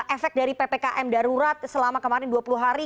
efek dari ppkm darurat selama kemarin dua puluh hari